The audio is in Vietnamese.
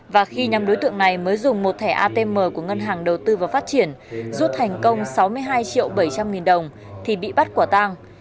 và khi nhóm đối tượng này mới dùng một thẻ atm của ngân hàng đầu tư và phát triển rút thành công sáu mươi hai triệu bảy trăm linh nghìn đồng thì bị bắt quả tang